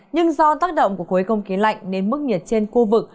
nhưng do tác động của khối không khí lạnh nên mức nhiệt trên khu vực